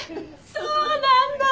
そうなんだ。